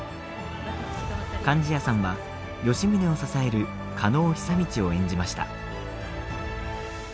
貫地谷さんは吉宗を支える加納久通を演じました。